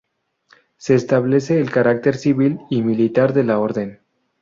Se establece el carácter civil y militar de la orden.